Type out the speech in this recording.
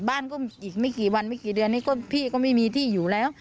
บ้านก็อีกไม่กี่วันไม่กี่เดือนนี้ก็พี่ก็ไม่มีที่อยู่แล้ว